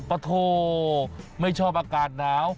ปะโถไม่ชอบอากาศหนาว